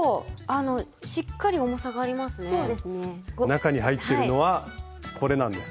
中に入っているのはこれなんです。